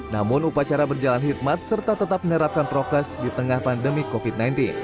namun upacara berjalan hikmat serta tetap menerapkan prokes di tengah pandemi covid sembilan belas